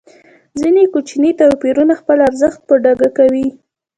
ځینې کوچني توپیرونه خپل ارزښت په ډاګه کوي.